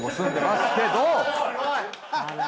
すごい！